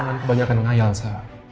jangan kebanyakan ngayal sa